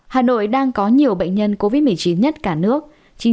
hà nội đang có nhiều bệnh nhân covid một mươi chín nhất cả nước